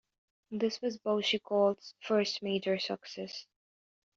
This was Boucicault's first major success.